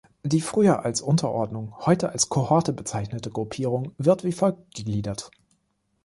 Die früher als Unterordnung, heute als Kohorte bezeichnete Gruppierung wird wie folgt gegliedert.